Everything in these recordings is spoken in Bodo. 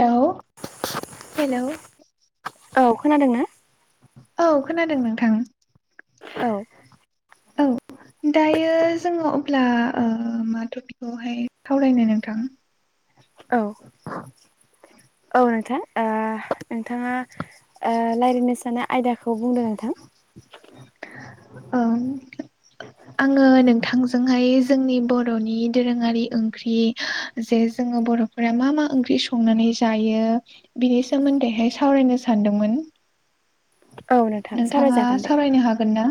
हेल हेल'। औ खोनादों ना? औ खोनादों नोंथां। औ। औ। दायो जोङो अब्ला ओ मा टपिकखौहाय सावरायनो नोंथां? औ। औ नोंथां ओ नोंथाङा रायज्लायनो सानाया आयदाखौ बुंदों नोंथां। ओं आङो नोंथांजोंहाय जोंनि बर'नि दोरोङारि ओंख्रि जे जोङो बर'फोरा मा -मा ओंख्रि संनानै जायो ।बिनि सोमोन्दैहाय सावरायनो सानदोंमोन। [unintelligible] औ नोंथां नोंथाङा सावरायजागोन दे सावरायनो हागोन ना?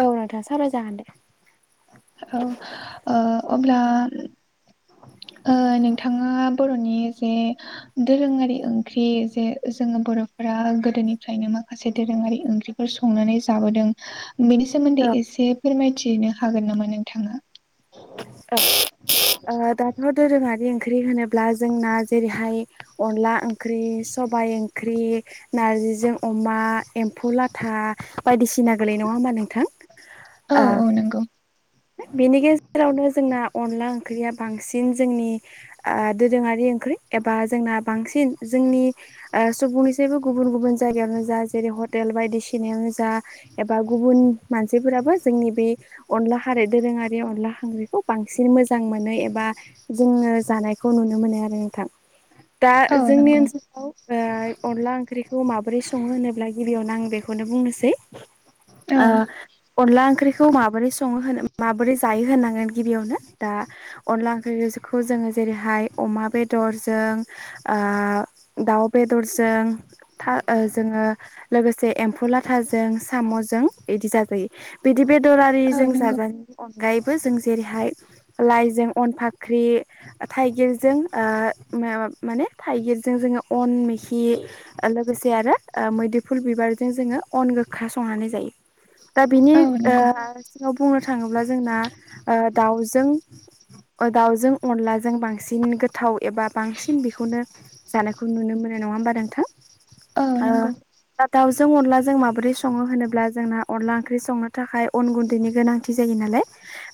औ नोंथां सावराय जागोन दे। औ ओ अब्ला ओ नोंथाङा बर'नि जे दोरोङारि ओंख्रि जे जोङो बर'फोरा [unintelligible] गोदोनिफ्रायनो माखासे दोरोङारि ओंख्रिफोर संनानै जाबोदों। बेनि सोमोन्दै औ एसे फोरमायथिनो हागोन नामा नोंथाङा? औ ओ दाथ' दोरोंआरि [unintelligible] ओंख्रि होनोब्ला जोंना जेरैहाय अनला ओंख्रि, सबाइ ओंख्रि नार्जिजों अमा, एम्फौ लाथा बायदिसिना [unintelligible] गोलैयो नङा होमबा नोंथां? औ औ नंगौ बेनि गेजेरावनो जोंना अनला ओंख्रिया बांसिन जोंनि ओ दोरोङारि ओंख्रि एबा जोंना बांसिन जोंनि ओ सुबुंनिसैबो गुबुन गुबुन -गुबुन जायगायावनो जा जेरै हटेल बायदिसिनायावनो जा एबा गुबुन मानसिफोराबो [unintelligible] [unintelligible] बे अनला आरो दोरोङारि अनला ओंख्रिखौ बांसिन मोजां मोनो एबा जोङो जानायखौ नुनो मोनो। आरो नोंथां दा औ जोंनि नंगौ ओनसोलाव ओ अनला ओंख्रिखौ माबैरै सङो सङो होनोब्ला गिबियावनो आं बेखौनो बुंनोसै। औ ओ अनला ओंख्रिखौ माबोरै सङो होनो माबोरै जायो होनांगोन गिबियावनो दा अनला ओंख्रिखौ जोङो जेरैहाय अमा [unintelligible] बेदरजों ओ दाउ बेदरजों था- जोङो लोगोसे एम्फौ लाथाजों साम'जों इदि जाजायो बिदि बे दरारि औ नंगौ जों [inaudible] गायबो जों जेरैहाय लाइजों अनफाख्रि थाइगिरजों ओ [unintelligible] माने थाइगिरजों जोङो अन मेखि ओ लोगोसे आरो ओ मैदेफुल बिबार जों जङो अन गोखा संनानै जायो दा बिनि औ ओ नंगौ [inaudible] याव बुंनो थाङोब्ला जोंना ओ दाउजों ओ दाउजों अनलाजों बांसिन गोथाव एबा बांसिन बेखौनो जानायखौ नुनो मो नो नङा होमबा नोंथां? ओ नोंगौ। दा दाउजों अनलाजों माबोरै सङो होनोब्ला जोंना अनला ओंख्रि संनो थाखाय अन गुन दैनि गोनांथि जायो नालाय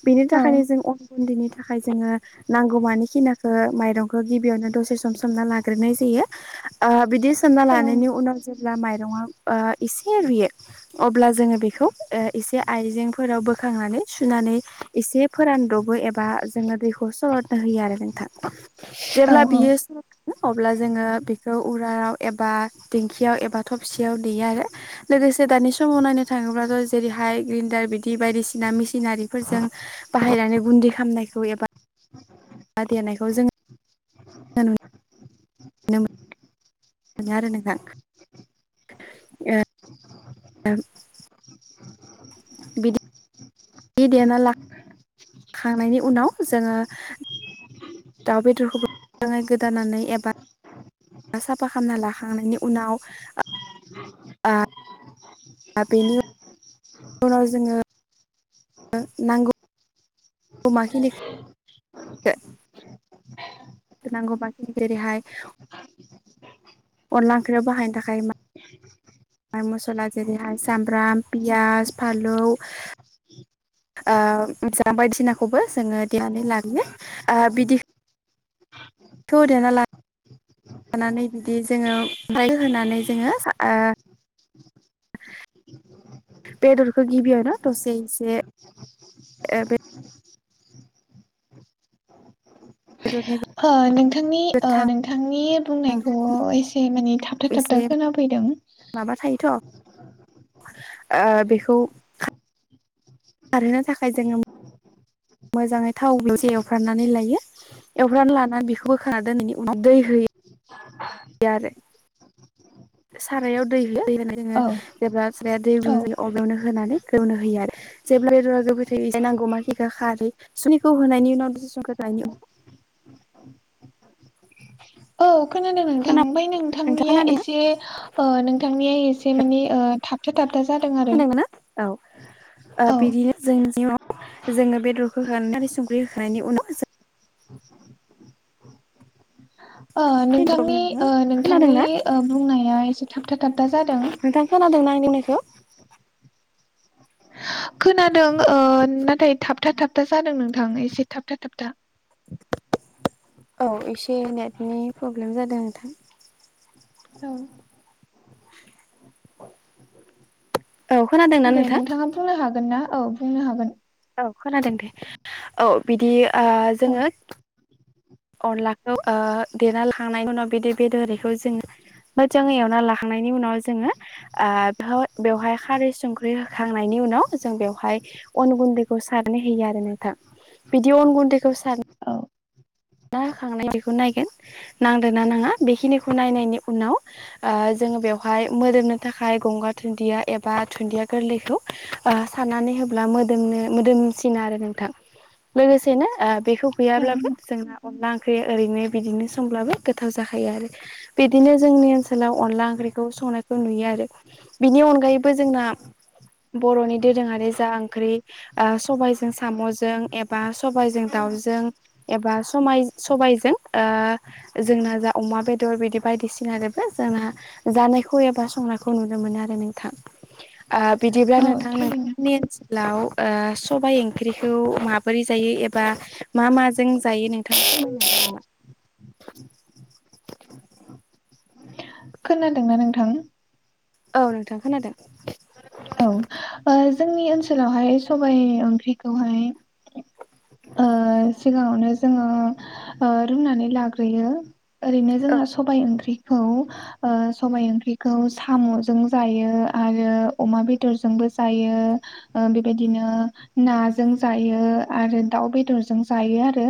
बेनि औ थाखायनो जों अन गुन्दैनि थाखाय जोङो नांगौ मानिखिना खो माइरंखो गिबियावनो दसे सम सोमना लाग्रोनाय जायो ओ बिदि सोमना औ लानायनि उनाव जेब्ला मायरंआ ओ इसे रुयो अब्ला जोङो बेखौ ओ इसे आइजें फोराव बोखांनानै सुनानै इसे फोरानदबो एबा जोङो दैखौ सलदनो होयो आरो नों थां औ जेब्ला औ बियो [inaudible] अब्ला जोङो बेखौ उरालाव एबा दिं खियाव एबा थबसियाव देयो आरो लोगोसे दानि समाव नायनो थाङोब्लाथ' जेरैहाय ग्रिन्डार बि दि बायदिसिना मिसिनारिफोरजों बाहायनानै गुन्दै खामनायखौ एबा देनायखौ जों [inaudible] [inaudible] बिदि देना ला खांनायनि उनाव जोङो दाउ बेदरखौबो [inaudible] गोदानानै एबा साफा खामना लाखांनायनि उनाव दा बेनि उनाव जोङो नांगौ अमाखिनिखो [unintelligible] अनला ओंख्रियाव बाहायनो थाखाय मा [unintelligible] मसला जेरैहाय सामब्राम पियाज फालौ ओ [unintelligible] बायदिनाखौबो जोङो देनानै [unintelligible] ओ बिदि [unintelligible] लानानै बिदि जोङो ओमफ्राय होनानै जोङो ओ बेदरखो गिबियावनो दसे एसे ओ बेदरनि हो नोंथांनि ओ गोथां नोंथांनि बुंनायखौ एसे माने थाबथा थाबथा एसे खोनाफैदों माबा थायोथ' ओ बेखौ खारहोनो थाखाय जोङो मोजाङै थाव [inaudible] लायो एवफ्राना लाना बेखौ बोखांना [unintelligible] दै हो यो आरो सारायाव दै [inaudible] औ होयो औ आरो [inaudible] [inaudible] औ खोनादों नोंथां खोना ओमफ्राय नोंथाङा नोंथांनिया खोनादोंना एसे ओ नोंथांनिया एसे माने ओ थाबथा थाबथा जादों आरो। खोनादोंमोन ना औ ओ औ [inaudible] जोङो बेदरखौ [inaudible] [inaudible] ओ नोंथांनि ओ नोंथांनि खोनादोंना ओ बुंनाया एसे थाबथा थाबथा जादों। नोंथां खोनादोंना [unintelligible] खोनादों ओ नाथाय थाबथा थाबथा जादों नोंथां एसे थाबथा थाबथा औ एसे नेटनि प्रब्लेम जादों नोंथां औ औ खोनादोंना दे नोंथां? नोंथाङा बुंनो हागोन ना औ बुंनो हागोन औ खोनादों दे औ बिदि ओ औ जोङो अनलाखौ ओ देना लांखांनायनि उनाव बेदि बेदरओरिखौ जों मोदजाङै एवना लाखांनायनि उनाव जोङो ओ हो बेवहाय खारै संख्रि होखांनायनि नि उनाव जों बेवहाय अन गुन्दैखौ सारनै होयो आरो नोंथां। बिदि अन गुन्दैखौ सार औ [inaudible] खांना बेखौ नायगोन नांदोंना नाङा बेखिनिखौ नायनायनि उनाव ओ जों बेवहा हाय मोदोमनो थाखाय गंगा दुन्दिया एबा धुन्दिया गोरलैखौ ओ साननानै होब्ला मोदो नो मोदोमसिना आरो नोंथां लोगोसेनो ओ बेखौ गैयाब्लाबो जोंना अनला ओंख्रि ओरैनो बिदिनो सोमब्लाबो गोथाव जाखायो आरो बिदिनो जोंनि ओनसोलाव अनला ओंख ख्रिखौ संनायखौ नुयो आरो बिनि अनगायैबो जोंना बर'नि दोरोङारि जा ओंख्रि ओ सबाइजों साम'जों एबा सबाइजों दाउ दाउजों एबा स समाय सबायजों ओ जोंना जा अमा बेदर बिदि बायदिसिनादोबो जोंना जानायखौ एबा संनायखौ नुनो मोनो आरो नोंथां ओ बिद दिब्ला औ औ नोंथां थारैनो नोंथांनि ओनस लाव ओ सबाइ ओंख्रिखौ माबोरै जायो एबा मा माजों जायो नों [unintelligible] खोनादोंना नोंथां? औ नोंथां खोनादों। औ ओ जोंनि ओनसोलावहाय सबाइ ओंख्रिखौहाय ओ सिगाङावनो जोङो ओ रुनानै लाग्रोयो। ओरैनो औ जोंना सबाय ओंख्रि खौ ओ सबाइ ओंख्रिखौ साम'जोंबो जायो आरो अमा बेदरजोंबो जायो ओ बेबायदिनो नाजों जायो आरो दाउ आउ बेदरजों जायो आरो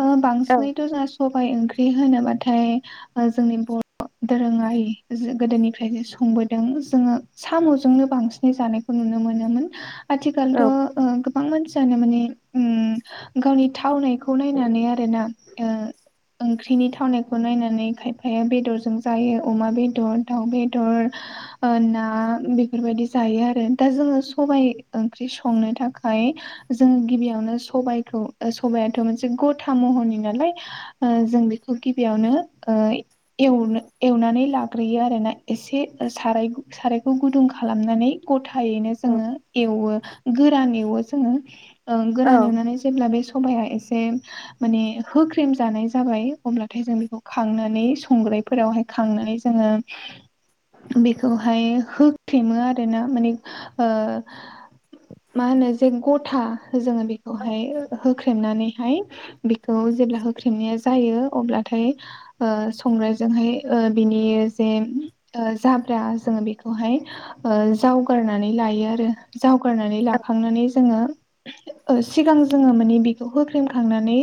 ओ औ बांसिनैथ' जोंहा सबाइ ओंख्रि होनोबाथाय ओ जोंनि बर' दोरोङारि जो गोदोनिफ्रायनो संबोदों जोङो साम' जोंनो बांसिनै जानायखौ नुनो मोनोमोन आथिखालथ' औ ओ गोब बां मानसियानो माने ओम गावनि थावनायखौ नायनानै आरोना ओ ओंख्रिनि थावनायखौ नायनानै खायफाया बेदरजों जायो अमा बेदर दाउ बेदर। ओ ना बिब फोरबायदि जायो आरो दा जोङो सबाय ओंख्रि संनो थाखाय जोङो गिबियावनो सबाइखौ ओ सबायाथ' मोनसे गथा महरनि नालाय ओ जों बेखौ गिबियावनो ओ एवनो एवनानै लाग्रोयो आरोना एसे साराय सारायखौ गुुदुं खालामनानै गथायैनो औ जोङो एवो गोरान एवो जोङो। ओं औ गोरान एवनानै जेब्ला बे स सबाया एसे माने होख्रेम जानाय जाबाय अब्लाथाय जों बेखौ खांनानै संग्रो फोरावहाय खांनानै जोंङो बेखौहाय हो फेमो आरोना माने ओ मा होनो जे गथा जोङो बेखौहाय हो होख्रे ख्रेमनानैहाय बेखौ जेब्ला होख्रेमनाया जायो अब्लाथाय ओ संग्रायजों हाय ओ बिनि जे ओ जाब्रा जोङो बेखौहाय ओ जावगारनानै लायो आरो जावगारनानै लाखांनानै जोङो ओ सिगां जोङो मानि बिखौ होख्रेमखांनानै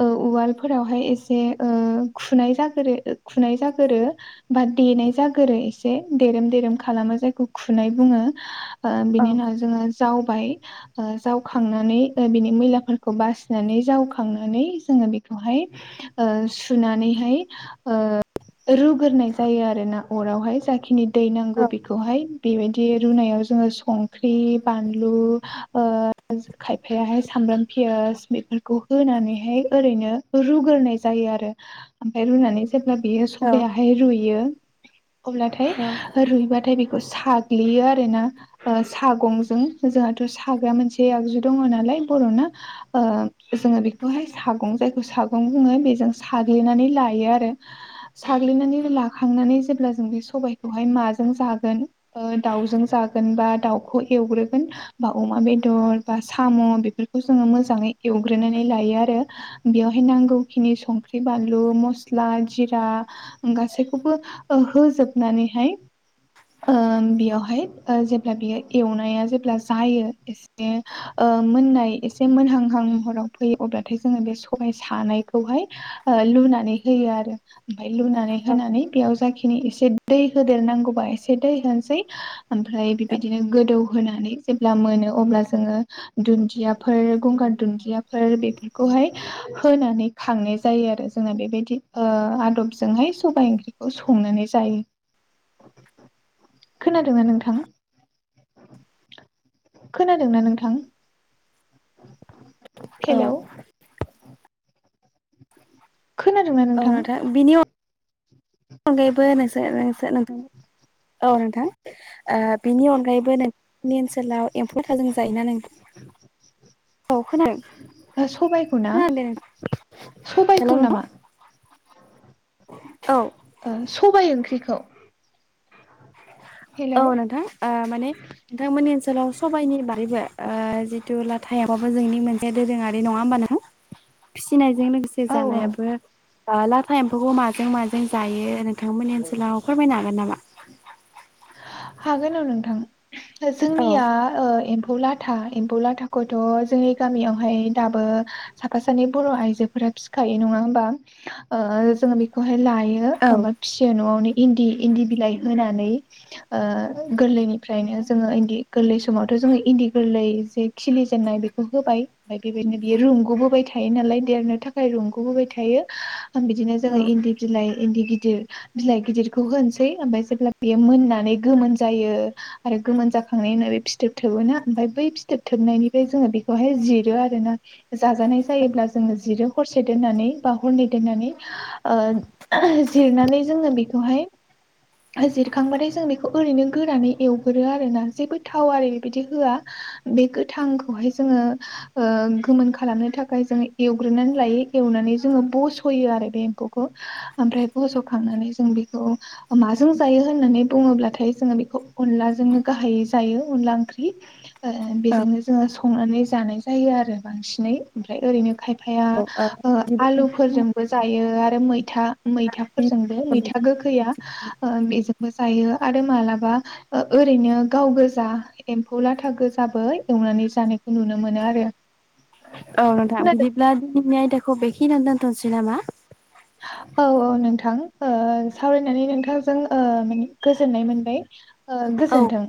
ओ उवालफोरावहाय एसे ओ ओ खुनाय जागोरो ओ खुनाय जागोरो बा देनाय जागोरो एसे देरोम देरोम खालामो। जायखौ खुनाय बुङो ओ बिनि उनाव जोङो जावबाय। ओ जावखांनानै ओ बिनि मैलाफोरखौ बासिनानै जावखांनानै जोङो बेखौहाय नै ओ सु सुनानैहाय ओ रुग्रोनाय जायो आरो ना अरावहाय जाखिनि दैनांगौ औ बि बेबायदि रुनायाव जोङो संख्रि बानलु ओ खायफायाहाय सामब्राम फियास बेफोरखौ होनानैहाय ओैरैनो रुग्रोनाय जायो आरो आमफाय रुनानै जेब्ला बियो सबायाहाय रुयो अब्लाथाय रुइबा बेखौ साग्लियो आरो ना ओ सागंजों जोंहाथ' साग्रा मोनसे आगजु दङ' नालाय बर'ना ओ जोंहा बिखौहाय सागं जायखौ सागं बुङो बेजों साग्लिना नानै लायो आरो साग्लिनानै लाखांनानै जेब्ला जों बि सबायखौहाय माजों जा गोन ओ दावजों जागोन बा दावखौ एवग्रोगोन बा अमा बेदर बा साम' म' बेफोरखौ जोङो मोजांङै एवग्रोनानै लायो आरो बियावहाय नांगौखिनि संख्रि बानलु लु मसला जिरा गासैखौबो ओ होजोबनानैहाय ओ बेयावहाय ओ जेब्ला बियो एवनाया जेब्ला जायो एसे ओ मोननाय एसे मोनहांहां महराव फैयो अब्लाथाय जोङो बे सबाय सानायखौहाय ओ लु नानै होयो आरो ओमफाय लुनानै होनानै बेयाव जाखिनि एसे दै होदेर नांगौबा ए से दै होनोसै ओमफ्राय बेबायदिनो गोदौ होनानै जेब्ला मोनो अब्ला जोङो दुन्दियाफोर गंगार दुन्दियाफोर बेफोरखौहाय होनानै खांनाय जायो आरो जों जोंना बेबायदि ओ आदबजोंहाय सबाय ओंख्रिखौ संनानै जायो। खोनादों ना नोंथां? खोनादों ना नोंथां? औ। हेलौ खोनादों ना औ नोंथां? बिनि अनगायैबो नोंसोर नोंसोर नोंथां औ नोंथां। ओ बिनि अनगायैबो नों नि ओनसोलाव एम्फौ लाथाजों जायो ना नोंथां? औ ओ सबायखौ खोनादों। ना खोनादों सबायखौ हेलौ नोंथां। नामा औ ओ सबाय ओंख्रिखौ औ नोंथां ओ माने नोंथांमोननि ओनसोलाव सबाइनि बारैबो ओ जि थु लाथायाबो जोंनि मोनसे दोरोङारि नङा होमबा नोंथां फिसिनाय मोनसे औ जानायाबो ओ लाथा एम्फौखौ माजों माजों जायो दा नोंथांमोननि ओनसोलाव फोरमायनो हागोन नामा? हागोन औ नोंथां। औ जोंनिया ओ एम्फौ लाथा एम्फौ लाथाखौथ' जोंनि गामियावहाय दाबो साफा सानै बर' आइजोफोरा फिसिखायो नं ङा होमबा ओ जोङो बिखौहाय लायो औ ओमफाय फिसियो न'आवनो इन्दि इन्दि बिलाइ होनानै ओ गोरलैनिफ्रायनो जोङो इदि गोरलै समावथ' जोंङो इन्दि गोरलै जे खिलि जेननाय बेखौ होबाय ओमफाय बेबायदिनो बियो रुंग'बोबाय थायो नालाय देरनो थाखाय रुंग'बोबाय थायो। बिदिनो औ जोंङो इन्दि बिलाइ इन्दि गिदिर बिलाइ गिदिरखौ होनोसै ओमफाय जेब्ला मोननानै गोमोन जायो आरो गोमोन जाखांनायनि उनाव बे फिथोब थोबोना ओमफाय बै फिथोब थोब नायनिफ्राय जोङो बिखौहाय जिरो आरो ना जाजानाय जायोब्ला जोंङो जिरो हरसे दोननानै बा ह हरनै दोननानै ओ जिरनानै जोङो बिखौहाय जिर खांबाथाय जों बेखौ ओरैनो गोरानै एवगोरो आरो ना जेबो थाव आरि बेबायदि होआ। बे गो थांखौहाय जोङो ओ गोमोन खालामनो थाखाय जोङो एवग्रोनानै लायो एवनानै जोङो बस'यो आरो बे एम्फौखौ ओमफ्राय बस'खांनानै जों बेखौ माजों जायो होननानै बुंंङोब्लाथाय जोङो बेखौ अनलाजोंनो गाहायै जायो अनला ओंख्रि ओ बेजोंनो जोङो संनानै जानाय जायो आरो बांसिनै ओमफ्राय ओरैनो खाय फाया ओ आलुफोरजोंबो जायो आरो मैथा मैथाफोरजोंबो। मैथा गोखैया ओ बेजों जायो आरो मालाबा ओ ओैरैनो गाव गोजा एमफौ लाथा गोजाबो एवनानै जानायखौ नुनो मोनो आरो औ नोंथां। खोनादों बिदिब्ला दिनैनि आयदाखौ बेखिनियावनो दोनथ'नोसै नामा? औ औ नोंथां ओ सावरायनानै नोंथांजों ओ माने गोजोननाय मोनबाय। ओ औ गोजोनथों।